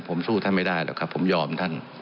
ผมสู้ท่านไม่ได้หรอกครับผมยอมท่าน